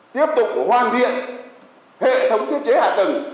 tiếp tục hoàn thiện hệ thống thiết chế hạ tầng